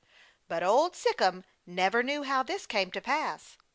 But Old Sic'em never knew how this came to pass.